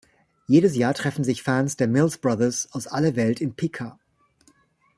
Jedes Jahr treffen sich Fans der Mills Brothers aus aller Welt in Piqua.